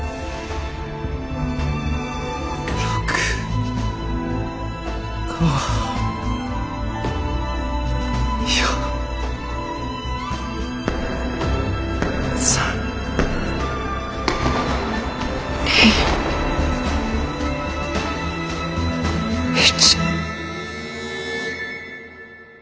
６５４３２１。